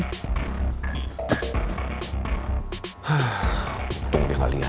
hah untung dia gak liat